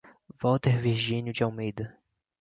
Walter Virginio de Almeida